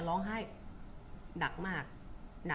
คุณผู้ถามเป็นความขอบคุณค่ะ